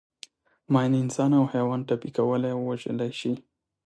ماین انسان او حیوان ټپي کولای او وژلای شي.